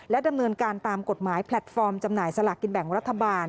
ดำเนินการตามกฎหมายแพลตฟอร์มจำหน่ายสลากกินแบ่งรัฐบาล